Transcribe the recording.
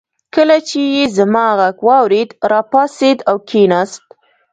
کله چې يې زما غږ واورېد راپاڅېد او کېناست.